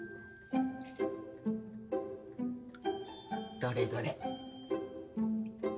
どれどれ？